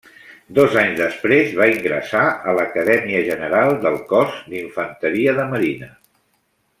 Dos anys després va ingressar a l'Acadèmia general del Cos d'infanteria de marina.